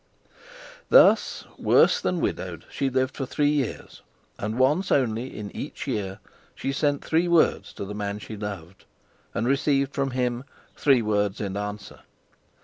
Thus, worse than widowed, she lived for three years; and once only in each year she sent three words to the man she loved, and received from him three words in answer.